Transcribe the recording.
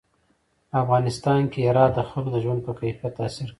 په افغانستان کې هرات د خلکو د ژوند په کیفیت تاثیر کوي.